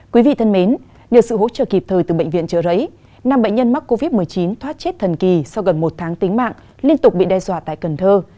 quý vị thân mến nhờ sự hỗ trợ kịp thời từ bệnh viện trợ rẫy năm bệnh nhân mắc covid một mươi chín thoát chết thần kỳ sau gần một tháng tính mạng liên tục bị đe dọa tại cần thơ